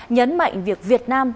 nhấn mạnh việc việt nam